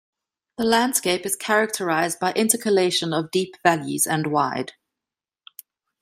The landscape is characterized by intercalation of deep valleys and wide.